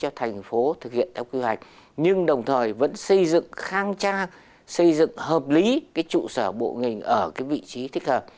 cho thành phố thực hiện theo quy hoạch nhưng đồng thời vẫn xây dựng khang trang xây dựng hợp lý cái trụ sở bộ ngành ở cái vị trí thích hợp